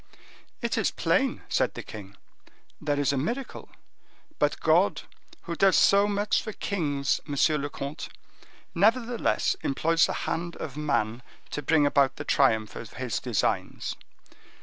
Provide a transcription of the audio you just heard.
"It is plain," said the king, "there is a miracle; but God, who does so much for kings, monsieur le comte, nevertheless employs the hand of man to bring about the triumph of His designs.